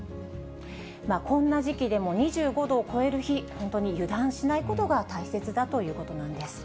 こんな時期でも２５度を超える日、本当に油断しないことが大切だということなんです。